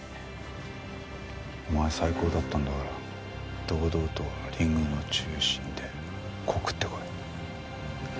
お前最高だったんだから堂々とリングの中心で告ってこい。